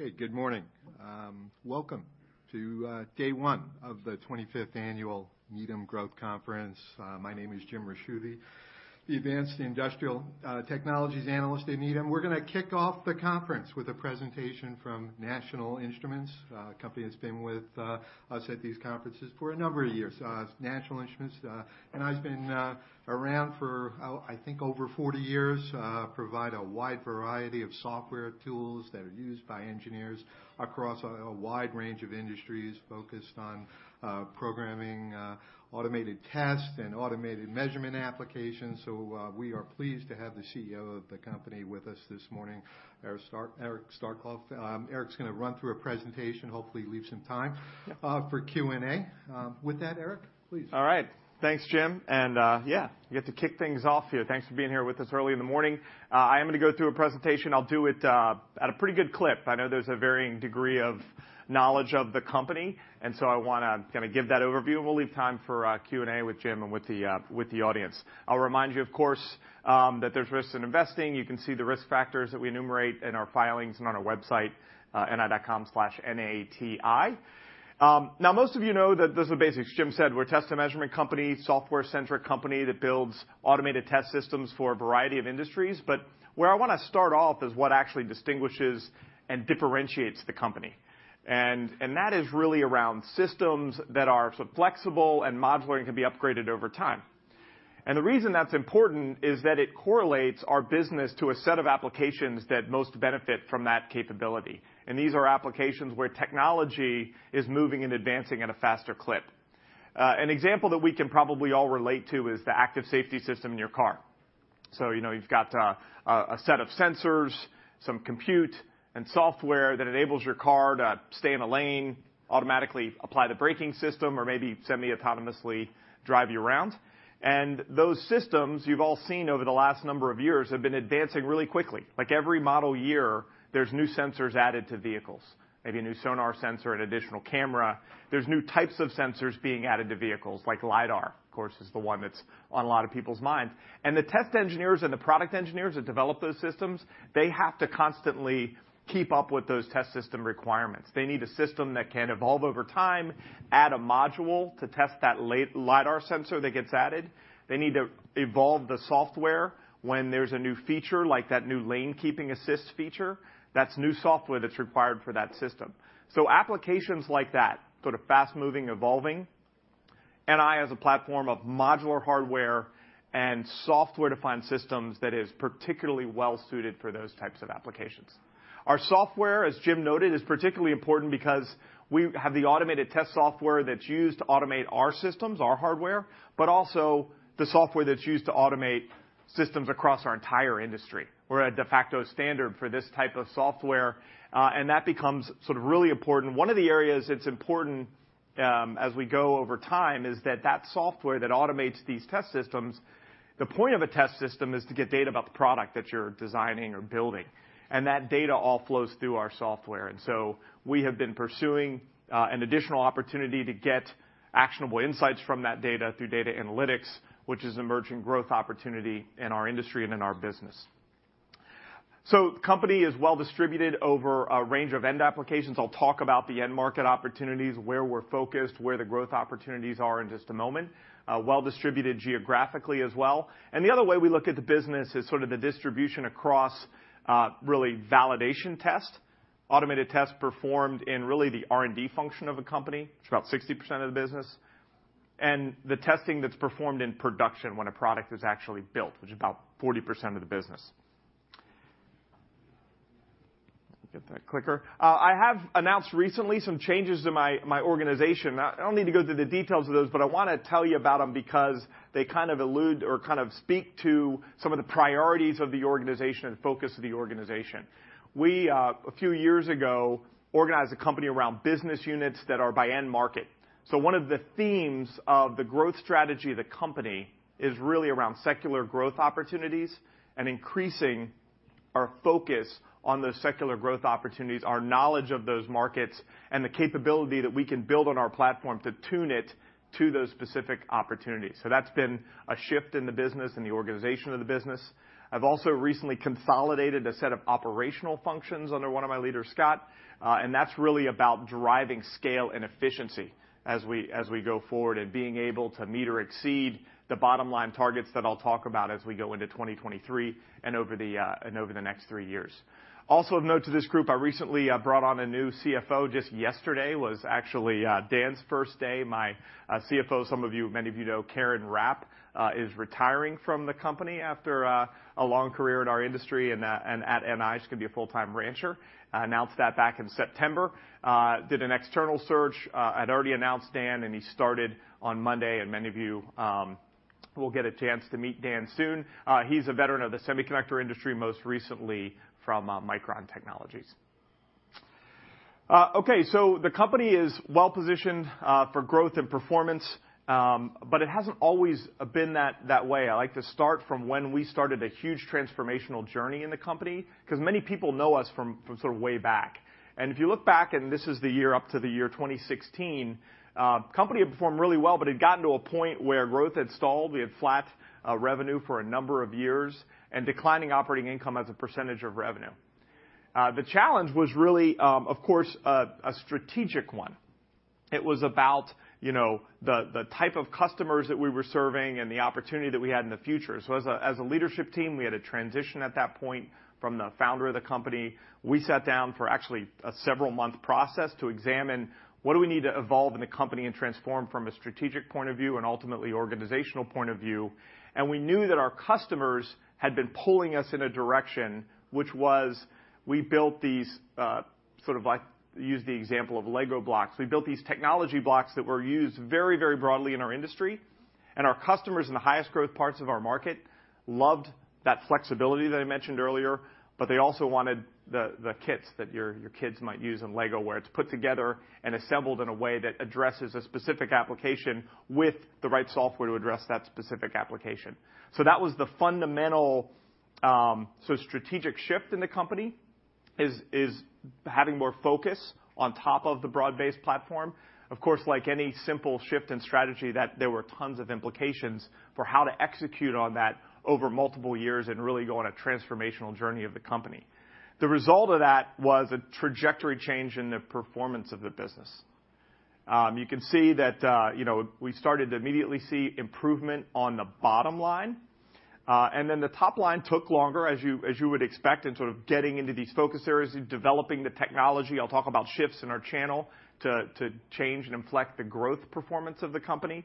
Okay, good morning. Welcome to day one of the 25th annual Needham Growth Conference. My name is James Ricchiuti, the advanced industrial technologies analyst at Needham. We're gonna kick off the conference with a presentation from National Instruments. A company that's been with us at these conferences for a number of years. National Instruments, NI's been around for over 40 years, provide a wide variety of software tools that are used by engineers across a wide range of industries focused on programming automated tasks and automated measurement applications. We are pleased to have the CEO of the company with us this morning, Eric Starkloff. Eric's gonna run through a presentation, hopefully leave some time for Q&A. With that, Eric, please. All right. Thanks, Jim. I get to kick things off here. Thanks for being here with us early in the morning. I am gonna go through a presentation. I'll do it at a pretty good clip. I know there's a varying degree of knowledge of the company, I wanna kinda give that overview and we'll leave time for Q&A with Jim and with the audience. I'll remind you, of course, that there's risks in investing. You can see the risk factors that we enumerate in our filings and on our website, ni.com/nati. Now, most of you know that those are the basics. Jim said we're a test and measurement company, software-centric company that builds automated test systems for a variety of industries. Where I wanna start off is what actually distinguishes and differentiates the company. That is really around systems that are sort of flexible and modular and can be upgraded over time. The reason that's important is that it correlates our business to a set of applications that most benefit from that capability. These are applications where technology is moving and advancing at a faster clip. An example that we can probably all relate to is the active safety system in your car. You know, you've got a set of sensors, some compute and software that enables your car to stay in a lane, automatically apply the braking system or maybe semi-autonomously drive you around. Those systems you've all seen over the last number of years have been advancing really quickly. Like, every model year, there's new sensors added to vehicles. Maybe a new sonar sensor, an additional camera. There's new types of sensors being added to vehicles like LIDAR, of course, is the one that's on a lot of people's minds. The test engineers and the product engineers that develop those systems, they have to constantly keep up with those test system requirements. They need a system that can evolve over time, add a module to test that LIDAR sensor that gets added. They need to evolve the software when there's a new feature like that new lane keeping assist feature. That's new software that's required for that system. Applications like that, sort of fast-moving, evolving, NI has a platform of modular hardware and software-defined systems that is particularly well-suited for those types of applications. Our software, as Jim noted, is particularly important because we have the automated test software that's used to automate our systems, our hardware, but also the software that's used to automate systems across our entire industry. We're a de facto standard for this type of software. That becomes sort of really important. One of the areas it's important, as we go over time is that that software that automates these test systems, the point of a test system is to get data about the product that you're designing or building, and that data all flows through our software. We have been pursuing an additional opportunity to get actionable insights from that data through data analytics, which is an emerging growth opportunity in our industry and in our business. The company is well-distributed over a range of end applications. I'll talk about the end market opportunities, where we're focused, where the growth opportunities are in just a moment. Well-distributed geographically as well. The other way we look at the business is sort of the distribution across really validation test, automated tests performed in really the R&D function of a company. It's about 60% of the business. The testing that's performed in production when a product is actually built, which is about 40% of the business. Get that clicker. I have announced recently some changes to my organization. I don't need to go through the details of those, but I wanna tell you about them because they kind of allude or kind of speak to some of the priorities of the organization and focus of the organization. We, a few years ago, organized the company around business units that are by end market. One of the themes of the growth strategy of the company is really around secular growth opportunities and increasing our focus on those secular growth opportunities, our knowledge of those markets, and the capability that we can build on our platform to tune it to those specific opportunities. That's been a shift in the business and the organization of the business. I've also recently consolidated a set of operational functions under one of my leaders, Scott, and that's really about driving scale and efficiency as we, as we go forward and being able to meet or exceed the bottom line targets that I'll talk about as we go into 2023 and over the, and over the next three years. Also of note to this group, I recently brought on a new cfo. Just yesterday was actually Dan's first day. My cfo, some of you, many of you know Karen Rapp, is retiring from the company after a long career in our industry and at NI. She's gonna be a full-time rancher. Announced that back in September. Did an external search. I'd already announced Dan, and he started on Monday, and many of you will get a chance to meet Dan soon. He's a veteran of the semiconductor industry, most recently from Micron Technology. Okay, the company is well-positioned for growth and performance, but it hasn't always been that way. I like to start from when we started a huge transformational journey in the company, 'cause many people know us from sort of way back. If you look back, this is the year up to the year 2016, company had performed really well, but it got to a point where growth had stalled. We had flat revenue for a number of years and declining operating income as a percentage of revenue. The challenge was really, of course, a strategic one. It was about, you know, the type of customers that we were serving and the opportunity that we had in the future. As a leadership team, we had to transition at that point from the founder of the company. We sat down for actually a several-month process to examine what do we need to evolve in the company and transform from a strategic point of view and ultimately organizational point of view. We knew that our customers had been pulling us in a direction, which was we built these, sort of like use the example of LEGO blocks. We built these technology blocks that were used very, very broadly in our industry, and our customers in the highest growth parts of our market loved that flexibility that I mentioned earlier, but they also wanted the kits that your kids might use in LEGO, where it's put together and assembled in a way that addresses a specific application with the right software to address that specific application. That was the fundamental, sort of strategic shift in the company, is having more focus on top of the broad-based platform. Of course, like any simple shift in strategy, that there were tons of implications for how to execute on that over multiple years and really go on a transformational journey of the company. The result of that was a trajectory change in the performance of the business. You can see that, you know, we started to immediately see improvement on the bottom line, and then the top line took longer, as you would expect, in sort of getting into these focus areas and developing the technology. I'll talk about shifts in our channel to change and inflect the growth performance of the company.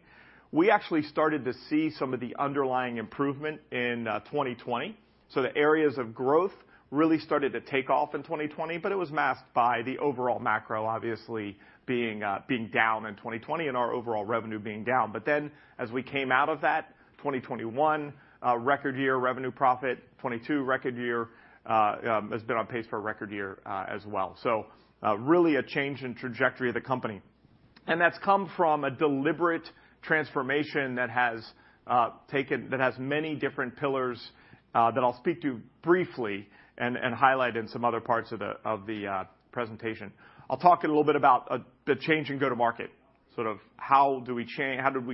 We actually started to see some of the underlying improvement in 2020. The areas of growth really started to take off in 2020, but it was masked by the overall macro obviously being down in 2020 and our overall revenue being down. As we came out of that, 2021, record year revenue profit. 2022, record year, has been on pace for a record year as well. Really a change in trajectory of the company. That's come from a deliberate transformation that has many different pillars that I'll speak to briefly and highlight in some other parts of the presentation. I'll talk a little bit about the change in go-to market, sort of how did we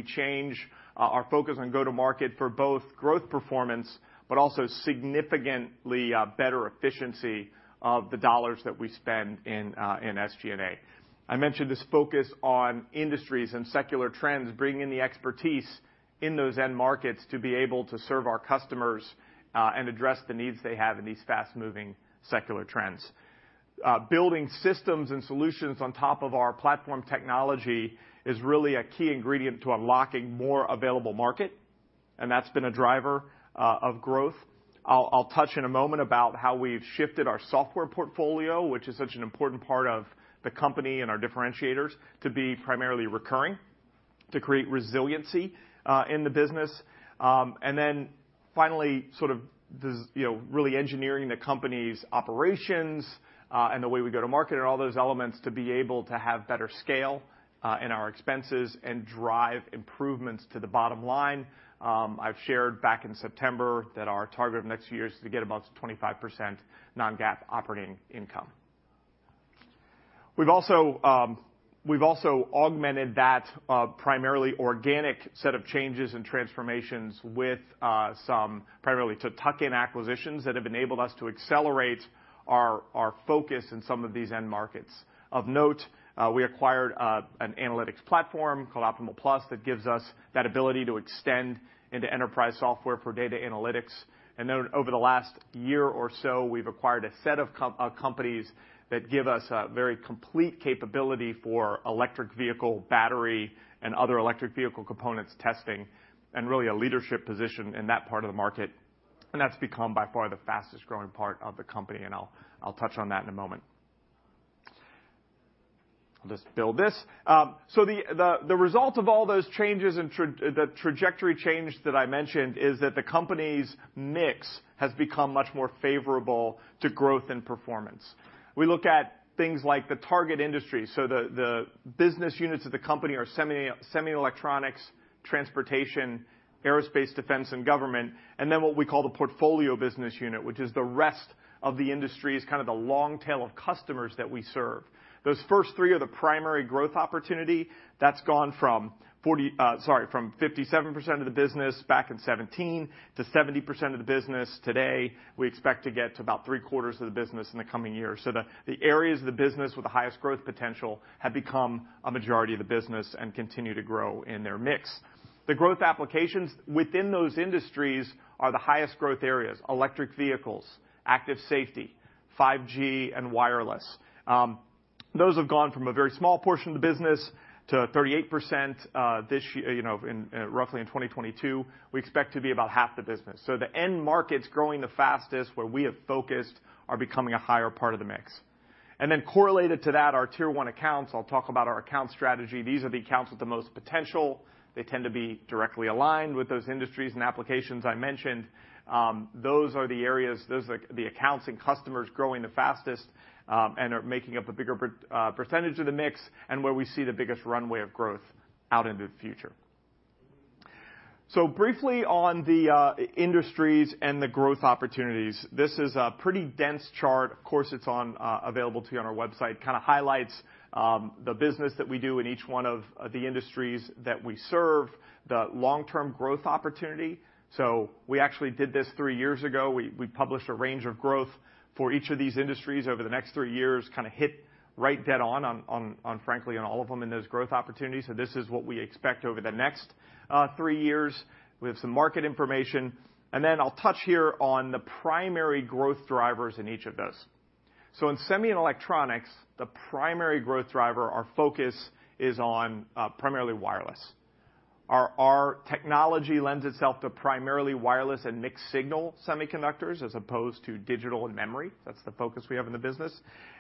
change our focus on go-to market for both growth performance, but also significantly better efficiency of the dollars that we spend in SG&A. I mentioned this focus on industries and secular trends, bringing the expertise in those end markets to be able to serve our customers and address the needs they have in these fast-moving secular trends. Building systems and solutions on top of our platform technology is really a key ingredient to unlocking more available market, and that's been a driver of growth. I'll touch in a moment about how we've shifted our software portfolio, which is such an important part of the company and our differentiators to be primarily recurring, to create resiliency in the business. Then finally, sort of this, you know, really engineering the company's operations, and the way we go to market and all those elements to be able to have better scale, in our expenses and drive improvements to the bottom line. I've shared back in September that our target of next year is to get about 25% non-GAAP operating income. We've also augmented that, primarily organic set of changes and transformations with, some primarily to tuck-in acquisitions that have enabled us to accelerate our focus in some of these end markets. Of note, we acquired, an analytics platform called OptimalPlus that gives us that ability to extend into enterprise software for data analytics. Over the last year or so, we've acquired a set of companies that give us a very complete capability for electric vehicle battery and other electric vehicle components testing and really a leadership position in that part of the market. That's become by far the fastest-growing part of the company, and I'll touch on that in a moment. I'll just build this. The result of all those changes and the trajectory change that I mentioned is that the company's mix has become much more favorable to growth and performance. We look at things like the target industry. The business units of the company are semi electronics, transportation, aerospace, defense, and government. What we call the portfolio business unit, which is the rest of the industry's kind of the long tail of customers that we serve. Those first three are the primary growth opportunity that's gone from 40, sorry, from 57% of the business back in 2017 to 70% of the business today. We expect to get to about three-quarters of the business in the coming years. The, the areas of the business with the highest growth potential have become a majority of the business and continue to grow in their mix. The growth applications within those industries are the highest growth areas: electric vehicles, active safety, 5G and wireless. Those have gone from a very small portion of the business to 38% this year, you know, roughly in 2022. We expect to be about half the business. The end markets growing the fastest, where we have focused are becoming a higher part of the mix. Correlated to that, our tier one accounts. I'll talk about our account strategy. These are the accounts with the most potential. They tend to be directly aligned with those industries and applications I mentioned. Those are the areas, those are the accounts and customers growing the fastest, and are making up a bigger percentage of the mix and where we see the biggest runway of growth out into the future. Briefly on the industries and the growth opportunities. This is a pretty dense chart. Of course, it's on... available to you on our website. Kinda highlights the business that we do in each one of the industries that we serve, the long-term growth opportunity. We actually did this three years ago. We published a range of growth for each of these industries over the next three years, kinda hit right dead on frankly, on all of them in those growth opportunities. This is what we expect over the next three years with some market information. I'll touch here on the primary growth drivers in each of those. In semi and electronics, the primary growth driver, our focus is on primarily wireless. Our technology lends itself to primarily wireless and mixed signal semiconductors as opposed to digital and memory. That's the focus we have in the business.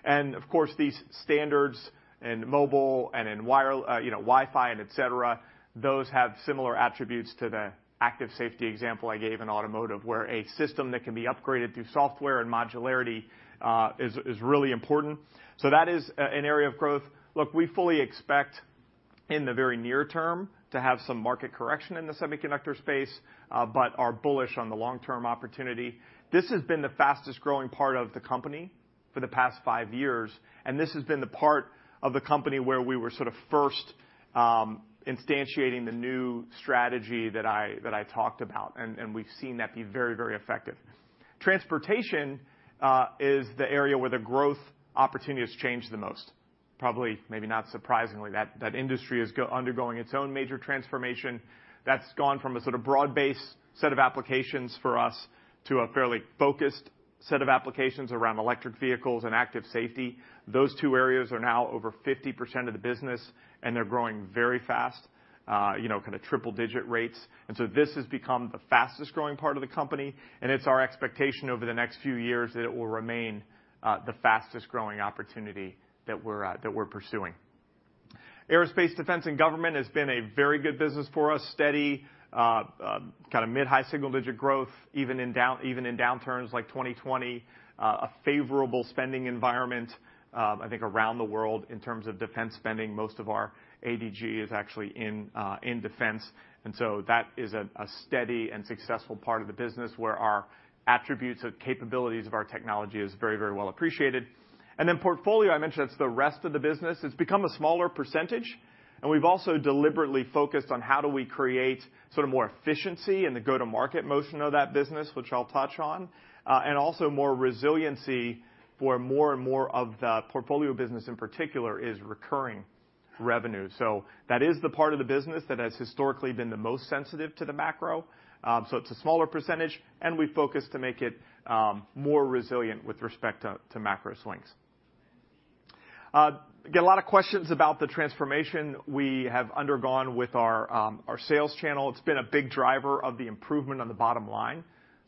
Of course, these standards in mobile and in wire, you know, Wi-Fi and et cetera, those have similar attributes to the active safety example I gave in automotive, where a system that can be upgraded through software and modularity is really important. That is an area of growth. Look, we fully expect in the very near term to have some market correction in the semiconductor space, but are bullish on the long-term opportunity. This has been the fastest growing part of the company for the past five years, and this has been the part of the company where we were sort of first instantiating the new strategy that I talked about. We've seen that be very, very effective. Transportation is the area where the growth opportunity has changed the most. Probably, maybe not surprisingly, that industry is undergoing its own major transformation. That's gone from a sort of broad-based set of applications for us to a fairly focused set of applications around electric vehicles and active safety. Those two areas are now over 50% of the business, and they're growing very fast, you know, kinda triple-digit rates. This has become the fastest growing part of the company, and it's our expectation over the next few years that it will remain the fastest-growing opportunity that we're that we're pursuing. Aerospace, Defense, and Government has been a very good business for us. Steady, kinda mid high single-digit growth, even in downturns like 2020. A favorable spending environment, I think around the world in terms of defense spending. Most of our ADG is actually in defense. That is a steady and successful part of the business where our attributes or capabilities of our technology is very, very well appreciated. Portfolio, I mentioned that's the rest of the business. It's become a smaller percentage, and we've also deliberately focused on how do we create sort of more efficiency in the go-to-market motion of that business, which I'll touch on, and also more resiliency, for more and more of the portfolio business in particular is recurring revenue. That is the part of the business that has historically been the most sensitive to the macro. It's a smaller percentage, and we focus to make it more resilient with respect to macro swings. Get a lot of questions about the transformation we have undergone with our sales channel. It's been a big driver of the improvement on the bottom line.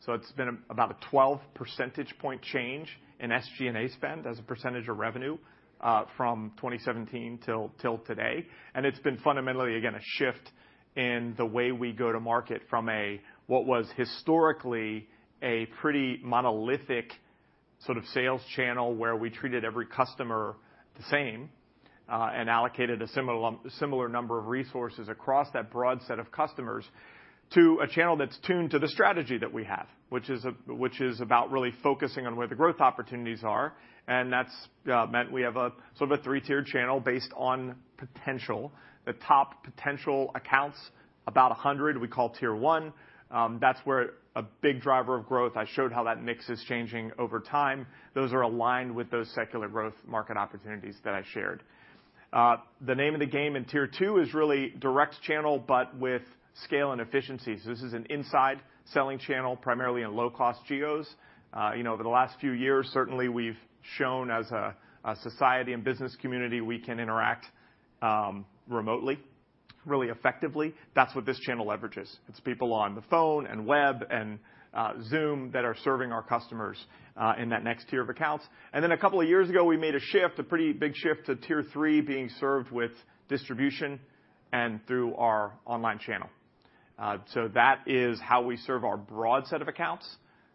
It's been about a 12 percentage point change in SG&A spend as a percentage of revenue, from 2017 till today. It's been fundamentally, again, a shift in the way we go to market from a, what was historically a pretty monolithic sort of sales channel where we treated every customer the same, and allocated a similar number of resources across that broad set of customers, to a channel that's tuned to the strategy that we have, which is about really focusing on where the growth opportunities are, and that's meant we have a sort of a three tiered channel based on potential. The top potential accounts, about 100, we call tier one. That's where a big driver of growth, I showed how that mix is changing over time. Those are aligned with those secular growth market opportunities that I shared. The name of the game in tier two is really direct channel but with scale and efficiencies. This is an inside selling channel, primarily in low-cost geos. You know, over the last few years, certainly we've shown as a society and business community, we can interact remotely really effectively. That's what this channel leverages. It's people on the phone and web and Zoom that are serving our customers in that next tier of accounts. A couple of years ago, we made a shift, a pretty big shift to tier 3 being served with distribution and through our online channel. That is how we serve our broad set of accounts.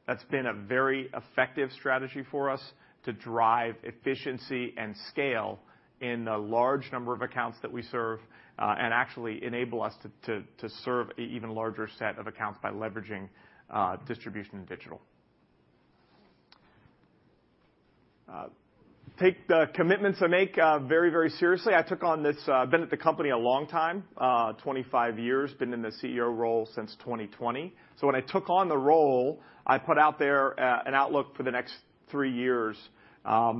That's been a very effective strategy for us to drive efficiency and scale in the large number of accounts that we serve, and actually enable us to serve even larger set of accounts by leveraging distribution and digital. Take the commitments I make very seriously. I took on this, been at the company a long time, 25 years. Been in the CEO role since 2020. When I took on the role, I put out there an outlook for the next three years,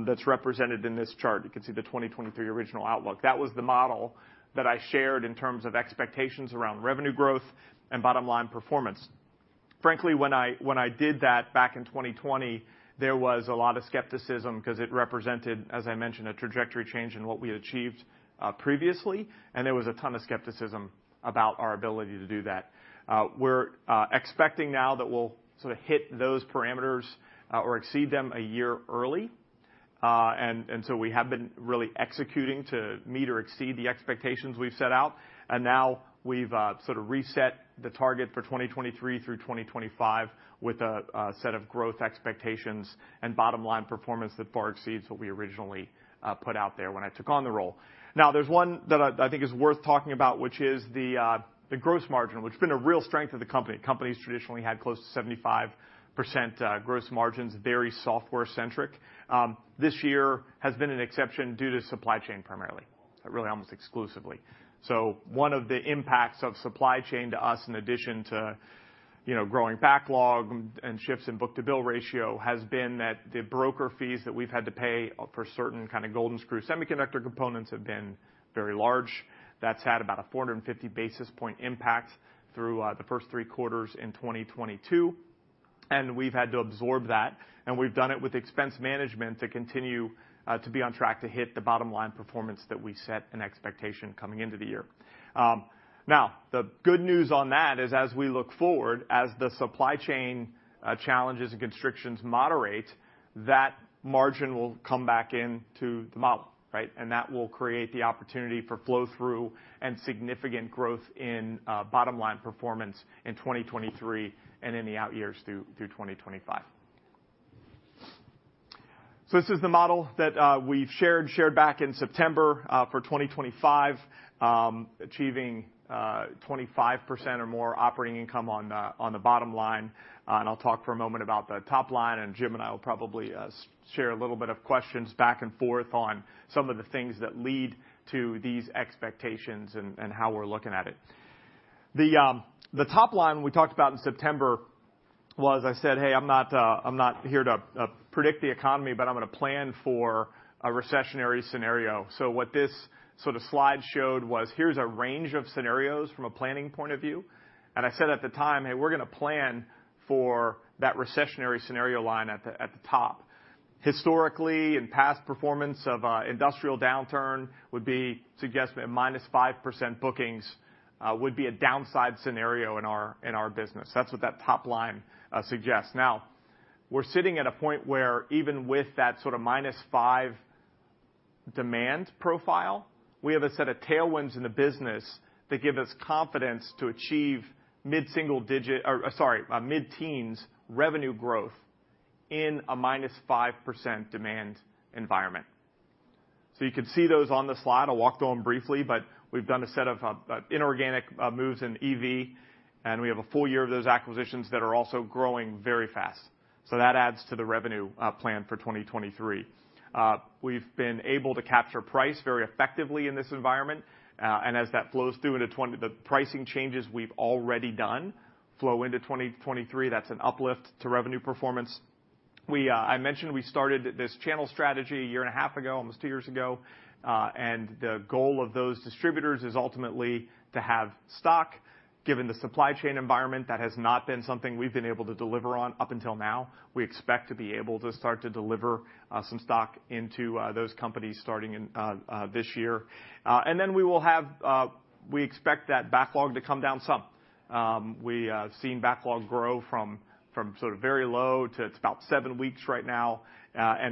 that's represented in this chart. You can see the 2023 original outlook. That was the model that I shared in terms of expectations around revenue growth and bottom-line performance. Frankly, when I did that back in 2020, there was a lot of skepticism 'cause it represented, as I mentioned, a trajectory change in what we had achieved previously, and there was a ton of skepticism about our ability to do that. We're expecting now that we'll sort of hit those parameters or exceed them a year early. We have been really executing to meet or exceed the expectations we've set out. Now we've sort of reset the target for 2023 through 2025 with a set of growth expectations and bottom-line performance that far exceeds what we originally put out there when I took on the role. Now, there's one that I think is worth talking about, which is the gross margin, which has been a real strength of the company. Company's traditionally had close to 75% gross margins, very software-centric. This year has been an exception due to supply chain primarily, really almost exclusively. One of the impacts of supply chain to us, in addition to, you know, growing backlog and shifts in book-to-bill ratio has been that the broker fees that we've had to pay for certain kind of golden screw semiconductor components have been very large. That's had about a 450 basis point impact through the first three quarters in 2022, and we've had to absorb that, and we've done it with expense management to continue to be on track to hit the bottom-line performance that we set an expectation coming into the year. Now, the good news on that is, as we look forward, as the supply chain challenges and constrictions moderate, that margin will come back into the model, right? That will create the opportunity for flow-through and significant growth in bottom-line performance in 2023 and in the out years through 2025. This is the model that we've shared back in September for 2025, achieving 25% or more operating income on the bottom line. I'll talk for a moment about the top line, and Jim and I will probably share a little bit of questions back and forth on some of the things that lead to these expectations and how we're looking at it. The top line we talked about in September was I said, "Hey, I'm not, I'm not here to predict the economy, but I'm gonna plan for a recessionary scenario." What this sort of slide showed was here's a range of scenarios from a planning point of view. I said at the time, "Hey, we're gonna plan for that recessionary scenario line at the, at the top." Historically, in past performance of a industrial downturn would be suggest a -5% bookings would be a downside scenario in our, in our business. That's what that top line suggests. We're sitting at a point where even with that sort of -5% demand profile, we have a set of tailwinds in the business that give us confidence to achieve mid-single digit, or sorry, a mid-teens revenue growth in a -5% demand environment. You can see those on the slide. I'll walk through them briefly, but we've done a set of inorganic moves in EV, and we have a full year of those acquisitions that are also growing very fast. That adds to the revenue plan for 2023. We've been able to capture price very effectively in this environment. As that flows through into the pricing changes we've already done flow into 2023. That's an uplift to revenue performance. I mentioned we started this channel strategy a year and a half ago, almost two years ago. The goal of those distributors is ultimately to have stock. Given the supply chain environment, that has not been something we've been able to deliver on up until now. We expect to be able to start to deliver some stock into those companies starting in this year. Then we expect that backlog to come down some. We have seen backlog grow from sort of very low to it's about seven weeks right now.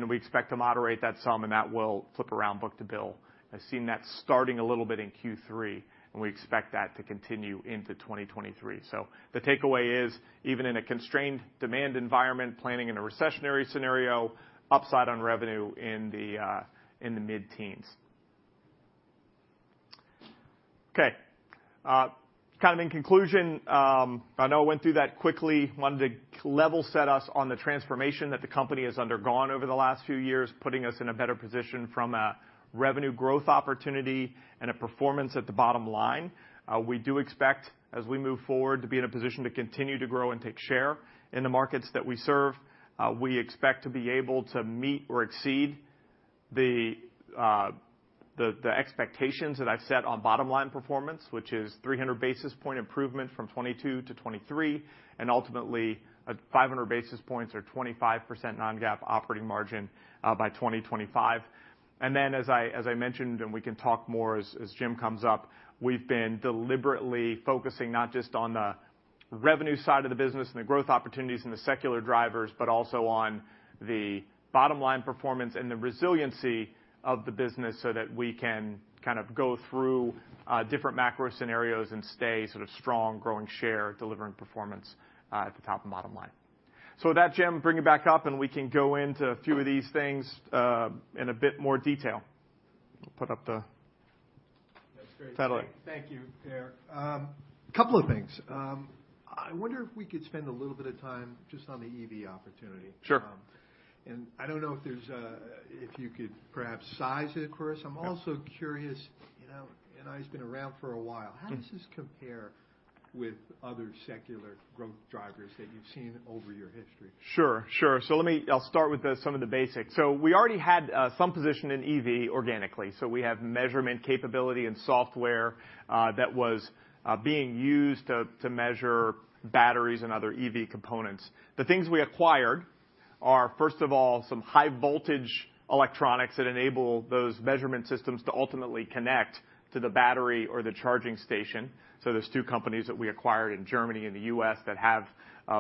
We expect to moderate that some, and that will flip around book-to-bill. I've seen that starting a little bit in Q3. We expect that to continue into 2023. The takeaway is even in a constrained demand environment, planning in a recessionary scenario, upside on revenue in the mid-teens. Kind of in conclusion, I know I went through that quickly. Wanted to level set us on the transformation that the company has undergone over the last few years, putting us in a better position from a revenue growth opportunity and a performance at the bottom line. We do expect as we move forward to be in a position to continue to grow and take share in the markets that we serve. We expect to be able to meet or exceed the expectations that I've set on bottom-line performance, which is 300 basis point improvement from 2022-2023, and ultimately a 500 basis points or 25% non-GAAP operating margin by 2025. Then as I mentioned, and we can talk more as Jim comes up, we've been deliberately focusing not just on the revenue side of the business and the growth opportunities and the secular drivers, but also on the bottom-line performance and the resiliency of the business so that we can kind of go through different macro scenarios and stay sort of strong, growing share, delivering performance at the top and bottom line. With that, Jim, bring it back up, and we can go into a few of these things in a bit more detail. That's great. -slide. Thank you, Pierre. Couple of things. I wonder if we could spend a little bit of time just on the EV opportunity. Sure. I don't know if there's if you could perhaps size it for us. Yeah. I'm also curious, you know, and it's been around for a while. Yeah. How does this compare with other secular growth drivers that you've seen over your history? Sure. Sure. I'll start with some of the basics. We already had some position in EV organically. We have measurement capability and software that was being used to measure batteries and other EV components. The things we acquired are first of all, some high voltage electronics that enable those measurement systems to ultimately connect to the battery or the charging station. There's two companies that we acquired in Germany and the U.S. that have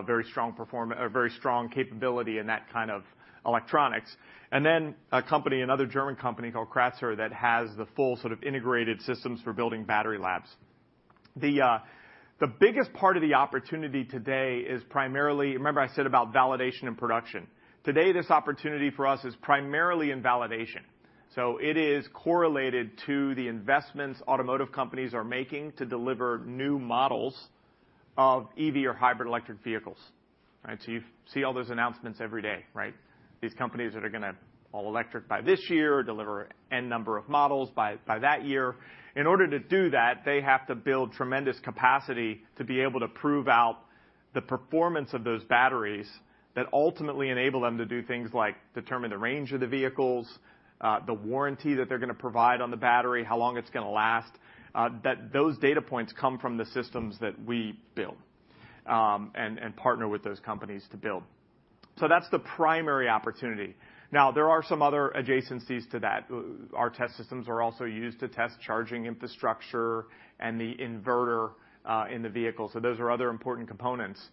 very strong capability in that kind of electronics. A company, another German company called Kratzer, that has the full sort of integrated systems for building battery labs. The biggest part of the opportunity today is primarily. Remember I said about validation and production. Today, this opportunity for us is primarily in validation. It is correlated to the investments automotive companies are making to deliver new models of EV or hybrid electric vehicles. Right? You see all those announcements every day, right? These companies that are gonna all electric by this year, deliver N number of models by that year. In order to do that, they have to build tremendous capacity to be able to prove out the performance of those batteries that ultimately enable them to do things like determine the range of the vehicles, the warranty that they're gonna provide on the battery, how long it's gonna last, that those data points come from the systems that we build, and partner with those companies to build. That's the primary opportunity. There are some other adjacencies to that. Our test systems are also used to test charging infrastructure and the inverter in the vehicle. Those are other important components.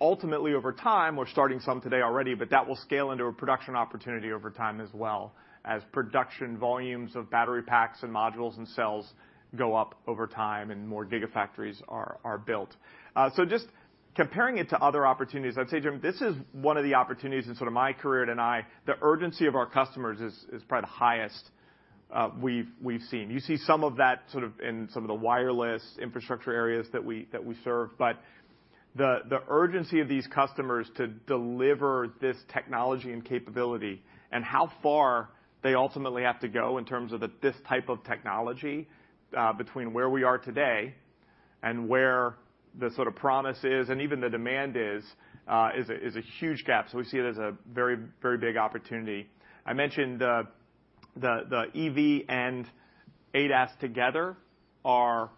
Ultimately, over time, we're starting some today already, but that will scale into a production opportunity over time as well, as production volumes of battery packs and modules and cells go up over time and more gigafactories are built. Just comparing it to other opportunities, I'd say, Jim Ricchiuti, this is one of the opportunities in sort of my career at NI, the urgency of our customers is probably the highest we've seen. You see some of that sort of in some of the wireless infrastructure areas that we serve, but the urgency of these customers to deliver this technology and capability and how far they ultimately have to go in terms of this type of technology between where we are today and where the sort of promise is, and even the demand is a huge gap. We see it as a very, very big opportunity. I mentioned the EV and ADAS together are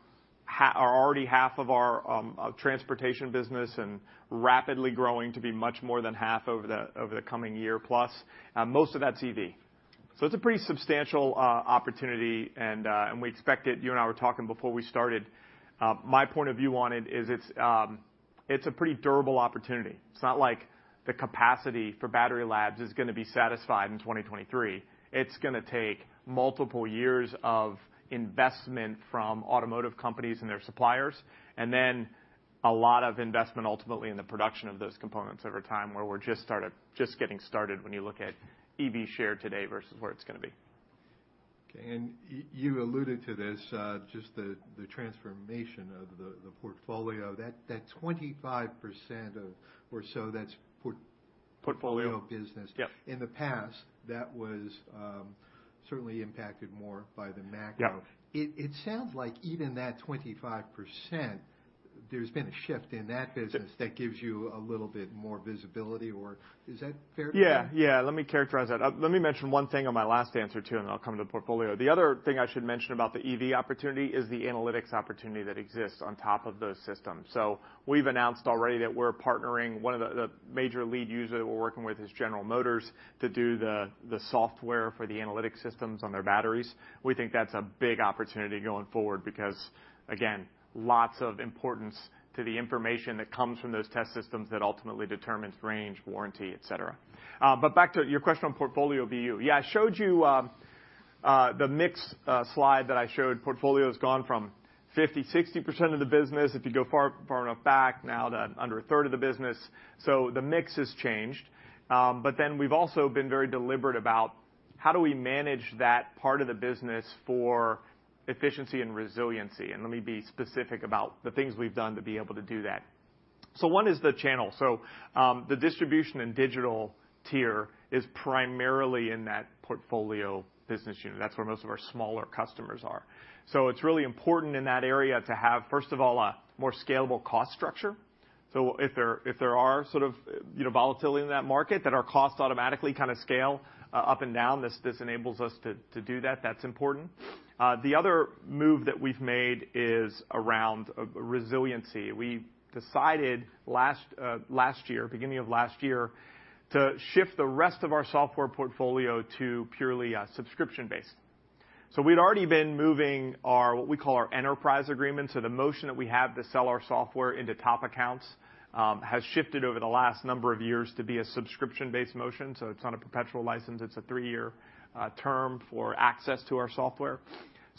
already half of our transportation business and rapidly growing to be much more than half over the coming year plus. Most of that's EV. It's a pretty substantial opportunity, and we expect it. You and I were talking before we started. My point of view on it is it's a pretty durable opportunity. It's not like the capacity for battery labs is gonna be satisfied in 2023. It's gonna take multiple years of investment from automotive companies and their suppliers, and then a lot of investment ultimately in the production of those components over time where we're just getting started when you look at EV share today versus where it's gonna be. Okay. You alluded to this, just the transformation of the portfolio. That 25% of or so that's port- Portfolio... portfolio business. Yep. In the past, that was certainly impacted more by the macro. Yeah. It sounds like even that 25%, there's been a shift in that business that gives you a little bit more visibility or is that fair? Yeah. Yeah. Let me characterize that. Let me mention one thing on my last answer, too, and then I'll come to the portfolio. The other thing I should mention about the EV opportunity is the analytics opportunity that exists on top of those systems. We've announced already that we're partnering one of the major lead users that we're working with is General Motors to do the software for the analytics systems on their batteries. We think that's a big opportunity going forward because again, lots of importance to the information that comes from those test systems that ultimately determines range, warranty, et cetera. Back to your question on portfolio view. Yeah, I showed you the mix slide that I showed. Portfolio has gone from 50%, 60% of the business, if you go far, far enough back now to under a third of the business. The mix has changed. We've also been very deliberate about how do we manage that part of the business for efficiency and resiliency. Let me be specific about the things we've done to be able to do that. One is the channel. The distribution and digital tier is primarily in that portfolio business unit. That's where most of our smaller customers are. It's really important in that area to have, first of all, a more scalable cost structure. If there are sort of, you know, volatility in that market, then our costs automatically kinda scale up and down. This enables us to do that. That's important. The other move that we've made is around resiliency. We decided last year, beginning of last year, to shift the rest of our software portfolio to purely a subscription base. We'd already been moving our, what we call our enterprise agreements. The motion that we have to sell our software into top accounts has shifted over the last number of years to be a subscription-based motion. It's not a perpetual license, it's a three year term for access to our software.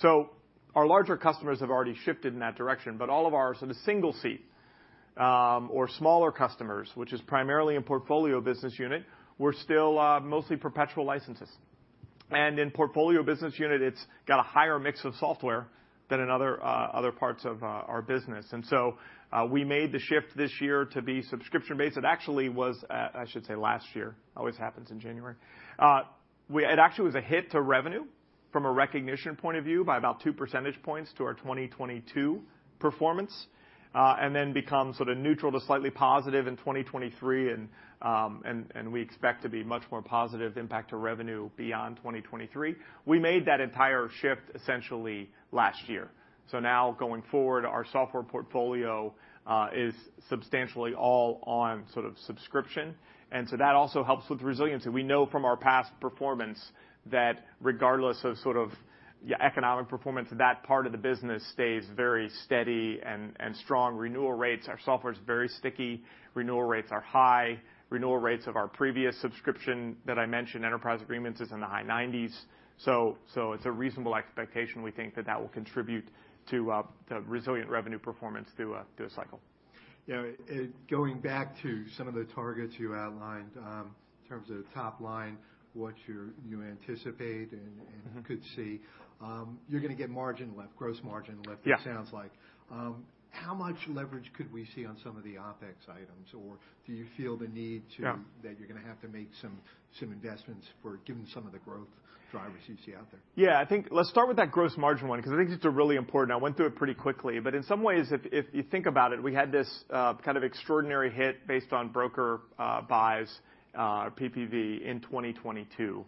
Our larger customers have already shifted in that direction, but all of our sort of single seat, or smaller customers, which is primarily in portfolio business unit, we're still mostly perpetual licenses. In portfolio business unit, it's got a higher mix of software than in other other parts of our business. We made the shift this year to be subscription-based. It actually was, I should say last year. Always happens in January. It actually was a hit to revenue from a recognition point of view by about two percentage points to our 2022 performance, and then become sort of neutral to slightly positive in 2023 and we expect to be much more positive impact to revenue beyond 2023. We made that entire shift essentially last year. Now going forward, our software portfolio is substantially all on sort of subscription. That also helps with resiliency. We know from our past performance that regardless of sort of economic performance, that part of the business stays very steady and strong renewal rates. Our software's very sticky. Renewal rates are high. Renewal rates of our previous subscription that I mentioned, enterprise agreements, is in the high 90s. It's a reasonable expectation, we think, that that will contribute to resilient revenue performance through a cycle. Yeah. Going back to some of the targets you outlined, in terms of the top line, what you anticipate and could see. You're gonna get margin lift, gross margin lift. Yeah. it sounds like. How much leverage could we see on some of the OpEx items? Do you feel the need to. Yeah. -that you're gonna have to make some investments for given some of the growth drivers you see out there? Yeah. I think let's start with that gross margin one because I think it's a really important. I went through it pretty quickly. In some ways, if you think about it, we had this kind of extraordinary hit based on broker buys PPV in 2022.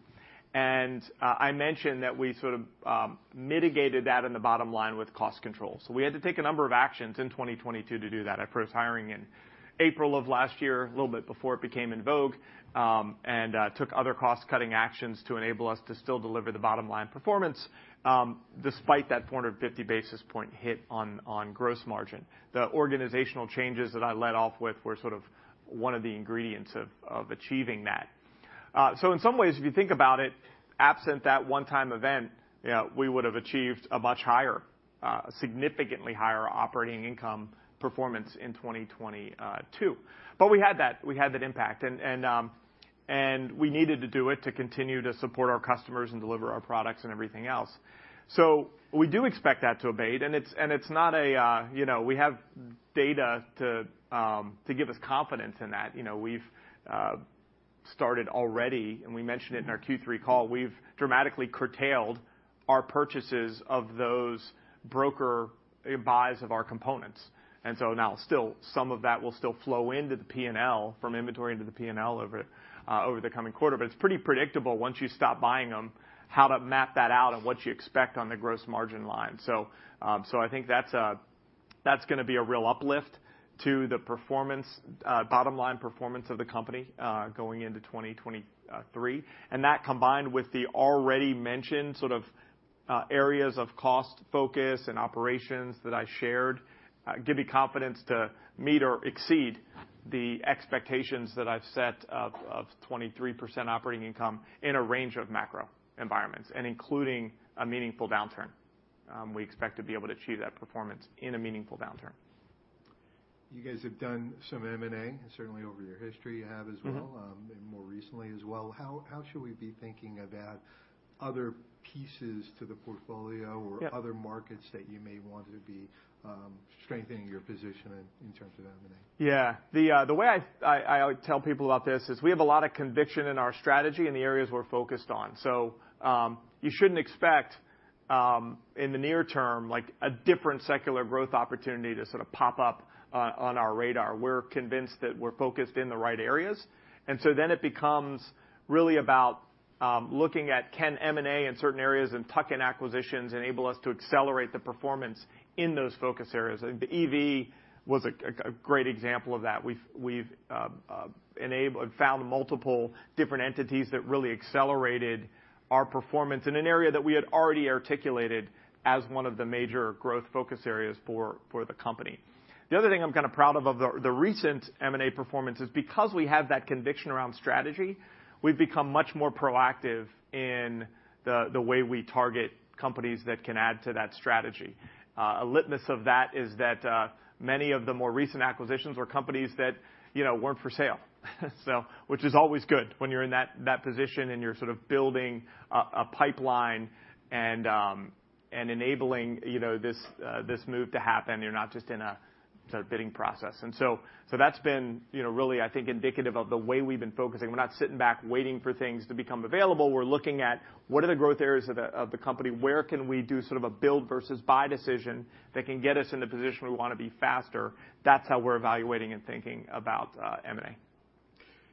I mentioned that we sort of mitigated that in the bottom line with cost control. We had to take a number of actions in 2022 to do that. I froze hiring in April of last year, a little bit before it became in vogue, and took other cost-cutting actions to enable us to still deliver the bottom-line performance despite that 450 basis point hit on gross margin. The organizational changes that I led off with were sort of one of the ingredients of achieving that. In some ways, if you think about it, absent that one-time event, you know, we would have achieved a much higher, significantly higher operating income performance in 2022. We had that. We had that impact. We needed to do it to continue to support our customers and deliver our products and everything else. We do expect that to abate, and it's not a. You know, we have data to give us confidence in that. You know, we've started already, and we mentioned it in our Q3 call, we've dramatically curtailed our purchases of those broker buys of our components. Now still, some of that will still flow into the P&L, from inventory into the P&L over the coming quarter. It's pretty predictable once you stop buying them, how to map that out and what you expect on the gross margin line. I think that's gonna be a real uplift to the performance, bottom-line performance of the company, going into 2023. That combined with the already mentioned sort of, areas of cost focus and operations that I shared, give me confidence to meet or exceed the expectations that I've set of 23% operating income in a range of macro environments and including a meaningful downturn. We expect to be able to achieve that performance in a meaningful downturn. You guys have done some M&A, certainly over your history, you have as well. Mm-hmm. More recently as well. How should we be thinking about other pieces to the portfolio? Yeah. -or other markets that you may want to be, strengthening your position in terms of M&A? Yeah. The way I tell people about this is we have a lot of conviction in our strategy in the areas we're focused on. You shouldn't expect in the near term, like a different secular growth opportunity to sort of pop up on our radar. We're convinced that we're focused in the right areas. It becomes really about looking at can M&A in certain areas and tuck-in acquisitions enable us to accelerate the performance in those focus areas. The EV was a great example of that. We've enabled and found multiple different entities that really accelerated our performance in an area that we had already articulated as one of the major growth focus areas for the company. The other thing I'm kind of proud of the recent M&A performance is because we have that conviction around strategy, we've become much more proactive in the way we target companies that can add to that strategy. A litmus of that is that many of the more recent acquisitions were companies that, you know, weren't for sale. Which is always good when you're in that position and you're sort of building a pipeline and enabling, you know, this move to happen. You're not just in a sort of bidding process. That's been, you know, really, I think, indicative of the way we've been focusing. We're not sitting back waiting for things to become available. We're looking at what are the growth areas of the, of the company? Where can we do sort of a build versus buy decision that can get us in the position we wanna be faster? That's how we're evaluating and thinking about M&A.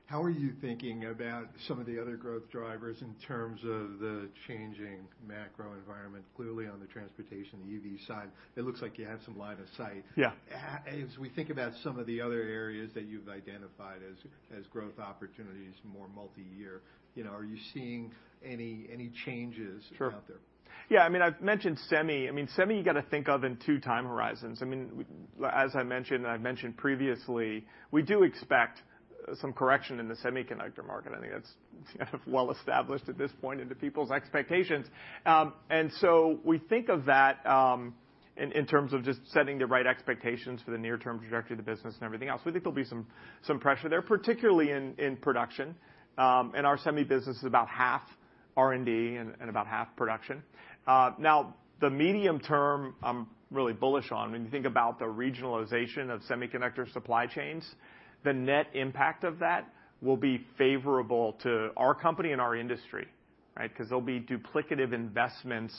How are you thinking about some of the other growth drivers in terms of the changing macro environment? Clearly, on the transportation, the EV side, it looks like you have some line of sight. Yeah. As we think about some of the other areas that you've identified as growth opportunities, more multi-year, you know, are you seeing any changes? Sure. Out there? Yeah. I mean, I've mentioned semi. I mean, semi you got to think of in two time horizons. I mean, as I mentioned and I've mentioned previously, we do expect some correction in the semiconductor market. I think that's kind of well established at this point into people's expectations. We think of that, in terms of just setting the right expectations for the near-term trajectory of the business and everything else. We think there'll be some pressure there, particularly in production. Our semi business is about half R&D and about half production. Now, the medium term, I'm really bullish on. When you think about the regionalization of semiconductor supply chains, the net impact of that will be favorable to our company and our industry. Right? Because there'll be duplicative investments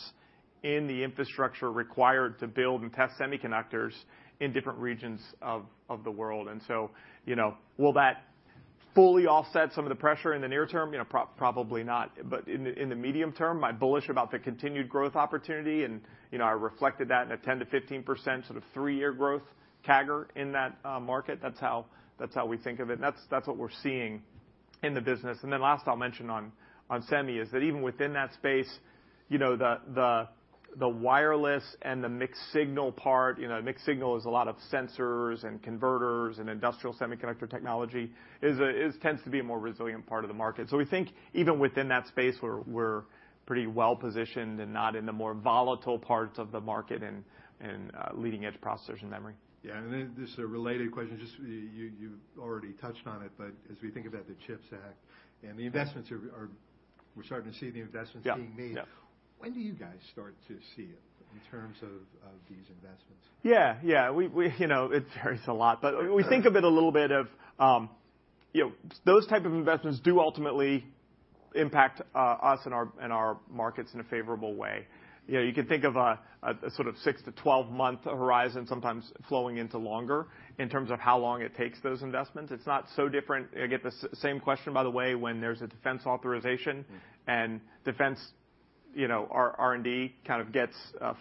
in the infrastructure required to build and test semiconductors in different regions of the world. You know, will that fully offset some of the pressure in the near term? You know, probably not. In the medium term, I'm bullish about the continued growth opportunity and, you know, I reflected that in a 10%-15% sort of three year growth CAGR in that market. That's how we think of it, and that's what we're seeing in the business. Last I'll mention on semi is that even within that space, you know, the wireless and the mixed signal part, you know, mixed signal is a lot of sensors and converters and industrial semiconductor technology, tends to be a more resilient part of the market. We think even within that space, we're pretty well positioned and not in the more volatile parts of the market in leading-edge processors and memory. Yeah. Then just a related question, just you already touched on it, but as we think about the CHIPS Act. We're starting to see the investments being made. Yeah, yeah. When do you guys start to see it in terms of these investments? We, you know, it varies a lot. We think of it a little bit of, you know, those type of investments do ultimately impact us and our, and our markets in a favorable way. You know, you can think of a sort of six-12 month horizon, sometimes flowing into longer in terms of how long it takes those investments. It's not so different. I get the same question, by the way, when there's a defense authorization. Mm-hmm. Defense, you know, R&D kind of gets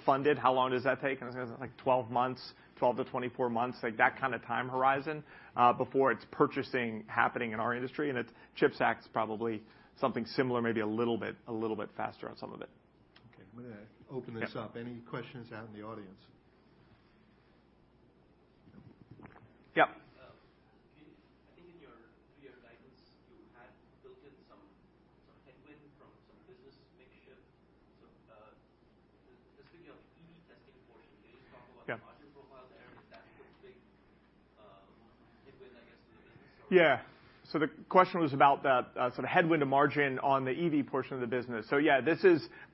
funded. How long does that take? It's like 12 months, 12-24 months, like that kind of time horizon before it's purchasing happening in our industry. The CHIPS Act's probably something similar, maybe a little bit faster on some of it. Okay. I'm gonna open this up. Yeah. Any questions out in the audience? Yeah. I think in your three-year guidance, you had built in some headwind from some business mix shift. Just thinking of EV testing portion, can you just talk about- Yeah. the margin profile there? Is that the big headwind, I guess, to the business or? Yeah. The question was about the sort of headwind to margin on the EV portion of the business. Yeah,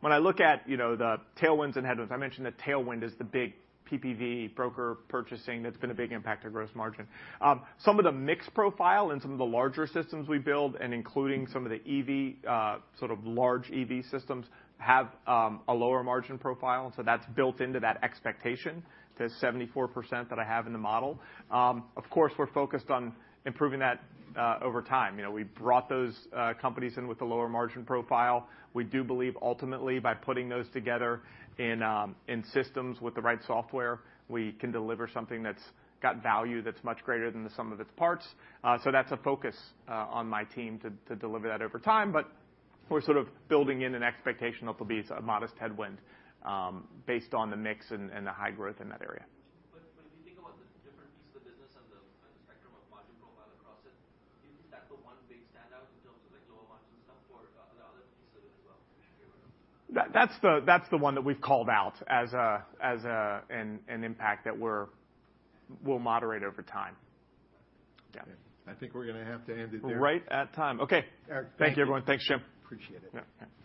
When I look at, you know, the tailwinds and headwinds, I mentioned the tailwind is the big PPV broker purchasing that's been a big impact to gross margin. Some of the mix profile and some of the larger systems we build, and including some of the EV sort of large EV systems have a lower margin profile, so that's built into that expectation, the 74% that I have in the model. Of course, we're focused on improving that over time. You know, we brought those companies in with a lower margin profile. We do believe ultimately by putting those together in systems with the right software, we can deliver something that's got value that's much greater than the sum of its parts. That's a focus, on my team to deliver that over time. We're sort of building in an expectation it'll be a modest headwind, based on the mix and the high growth in that area. When you think about the different pieces of business and the spectrum of margin profile across it, do you think that's the one big standout in terms of like lower margins going forward, the other pieces as well? That's the one that we've called out as an impact. Okay. We'll moderate over time. Yeah. Okay. I think we're gonna have to end it there. We're right at time. Okay. Eric, thank you. Thank you, everyone. Thanks, Jim. Appreciate it. Yeah. Okay.